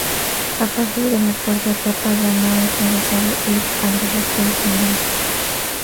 A partir de la cuarta etapa ya no es necesario ir al Desafío Final.